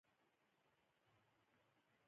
ازادي راډیو د ورزش د ارتقا لپاره نظرونه راټول کړي.